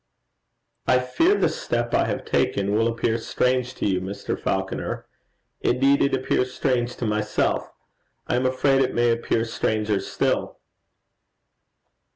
'I fear the step I have taken will appear strange to you, Mr. Falconer. Indeed it appears strange to myself. I am afraid it may appear stranger still.'